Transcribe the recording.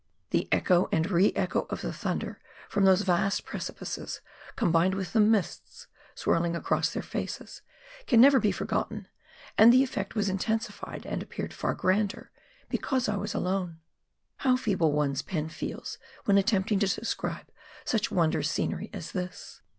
The echo and re echo of the thunder from those vast precipices, combined with the mists swirling across their faces, can never be forgotten, and the effect was intensified, and appeared far grander, because I was alone. flow feeble one's pen feels when attempting to describe such wondrous scenery as this